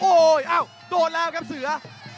โอ้ยโดนแล้วครับเสือ